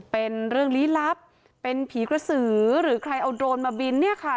เป็นเรื่องลี้ลับเป็นผีกระสือหรือใครเอาโดรนมาบินเนี่ยค่ะ